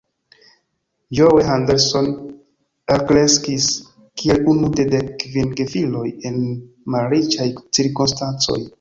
Joe Henderson alkreskis kiel unu de dek kvin gefiloj en malriĉaj cirkonstancoj.